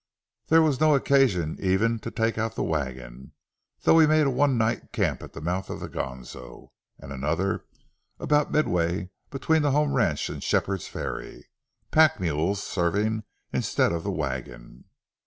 There was no occasion even to take out the wagon, though we made a one night camp at the mouth of the Ganso, and another about midway between the home ranch and Shepherd's Ferry, pack mules serving instead of the wagon.